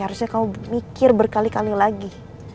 harusnya kau mikir berkali kali lagi